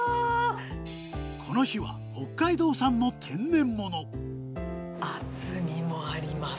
この日は、北海道産の天然も厚みもあります。